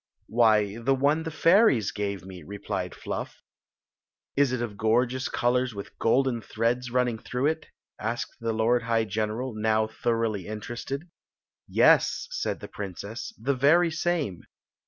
" Why, the one the fairies gave me," replied F\v& " Is it of gorgeous colors with gokkn ^rea^t n» niQg through it?" asi^ the hrd high genewt mm thoroughly interested. "Yes," said the princess, "the very same."